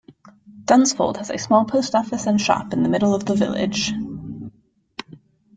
Dunsfold has a small Post Office and shop in the middle of the village.